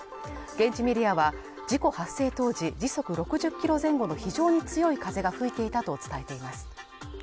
現地メディアは事故発生当時、時速６０キロ前後の非常に強い風が吹いていたと伝えています。